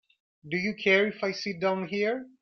Do you care if I sit down out here?